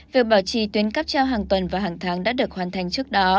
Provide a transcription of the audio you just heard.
việc bảo trì tuyến cắp treo hàng tuần và hàng tháng đã được hoàn thành trước đó